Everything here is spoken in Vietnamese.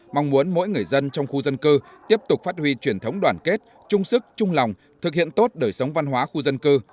mong muốn mỗi người dân trong khu dân cư tiếp tục phát huy truyền thống đoàn kết chung sức chung lòng thực hiện tốt đời sống văn hóa khu dân cư